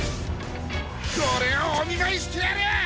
これをおみまいしてやる！